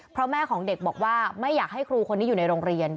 เพราะแม่ของเด็กบอกว่าไม่อยากให้ครูคนนี้อยู่ในโรงเรียน